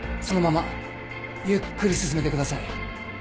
そのままゆっくり進めてください。